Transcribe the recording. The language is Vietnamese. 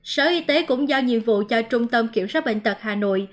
sở y tế cũng giao nhiệm vụ cho trung tâm kiểm soát bệnh tật hà nội